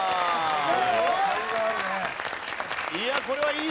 いやこれはいい。